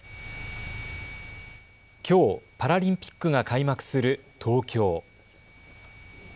きょう、パラリンピックが開幕する東京。